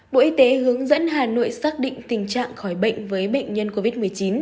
bộ y tế hướng dẫn hà nội xác định tình trạng khỏi bệnh với bệnh nhân covid một mươi chín